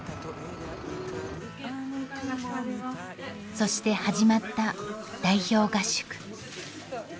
そして始まった代表合宿。